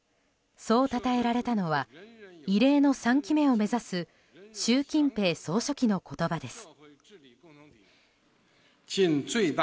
そうたたえられたのは異例の３期目を目指す習近平総書記の言葉です。